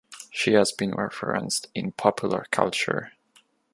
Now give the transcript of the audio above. She has been referenced in popular culture.